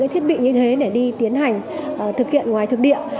thế để đi tiến hành thực hiện ngoài thực địa